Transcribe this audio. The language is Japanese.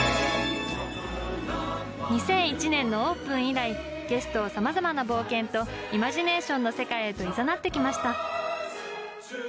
２００１年のオープン以来ゲストをさまざまな冒険とイマジネーションの世界へといざなって来ました。